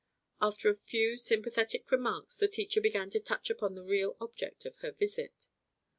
After a few sympathetic remarks, the teacher began to touch upon the real object of her visit.